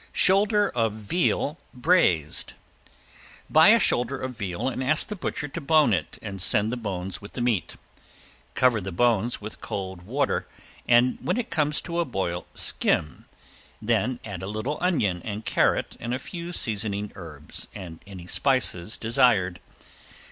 ~SHOULDER OF VEAL BRAISED~ Buy a shoulder of veal and ask the butcher to bone it and send the bones with the meat. Cover the bones with cold water and when it comes to a boil skim, then add a little onion and carrot and a few seasoning herbs and any spices desired.